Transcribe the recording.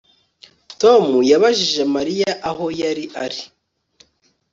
Tom yabajije Mariya aho yari ari